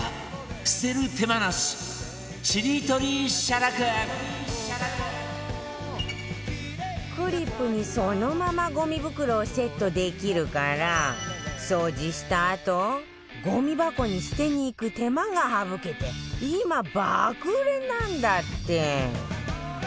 捨てる手間なしクリップにそのままゴミ袋をセットできるから掃除したあとゴミ箱に捨てに行く手間が省けて今爆売れなんだって